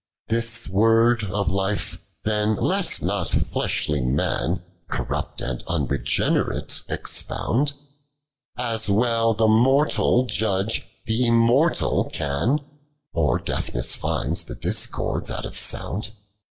This word of life, then, let not fleshly man Corrapt oud uaregenerate expound ; As well the mortal jndge the immortal can. Or (IcoinciM find the discords out of sound.